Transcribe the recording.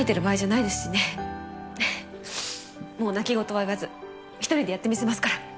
もう泣き言は言わず１人でやってみせますから。